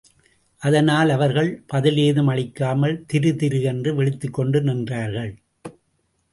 அதனால் அவர்கள் பதிலேதும் அளிக்காமல் திருதிரு என்று விழித்துக்கொண்டு நின்றார்கள்.